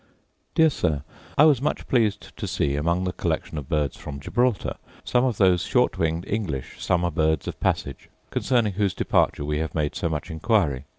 Dear Sir, I was much pleased to see, among the collection of birds from Gibraltar, some of those short winged English summer birds of passage, concerning whose departure we have made so much inquiry.